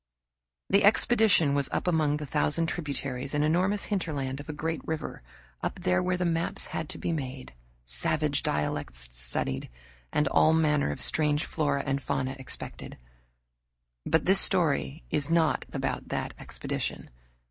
The expedition was up among the thousand tributaries and enormous hinterland of a great river, up where the maps had to be made, savage dialects studied, and all manner of strange flora and fauna expected. But this story is not about that expedition.